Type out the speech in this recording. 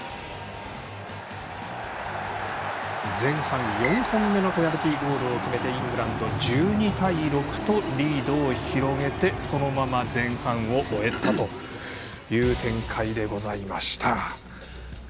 前半４本目のペナルティーゴールを決めてイングランドが１２対６とリードを広げてそのまま前半を終えたという展開でございました。